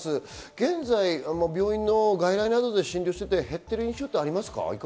現在、病院の外来などを診療していて減ってる印象はありますか？